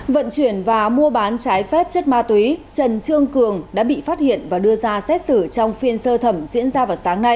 vận chuyển và mua bán trái phép chất ma túy trần trương cường đã bị phát hiện và đưa ra xét xử trong phiên sơ thẩm diễn ra vào sáng nay